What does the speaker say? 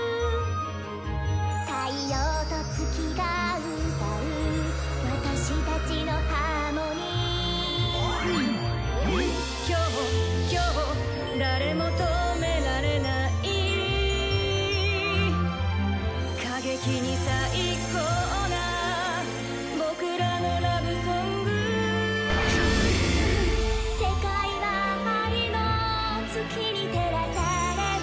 「太陽と月が歌う私達のハーモニー」「今日今日誰も止められない」「過激に最高な僕らのラブソング」「世界は愛の月に照らされる」